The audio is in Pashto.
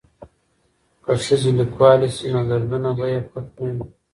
که ښځې لیکوالې شي نو دردونه به یې پټ نه وي.